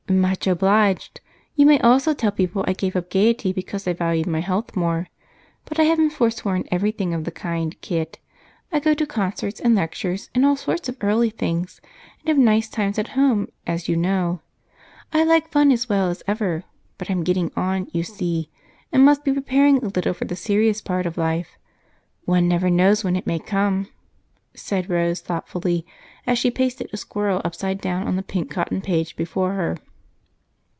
"Much obliged. You may also tell people I gave up gaiety because I value health more. But I haven't forsworn everything of the kind, Kit. I go to concerts and lectures, and all sorts of early things, and have nice times at home, as you know. I like fun as well as ever, but I'm getting on, you see, and must be preparing a little for the serious part of life. One never knows when it may come," said Rose, thoughtfully as she pasted a squirrel upside down on the pink cotton page before her.